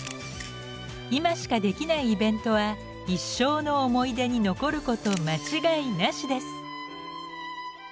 今しかできないイベントは一生の思い出に残ること間違いなしです！